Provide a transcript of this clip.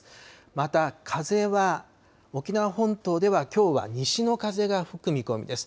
また、風は沖縄本島ではきょうは西の風が吹く見込みです。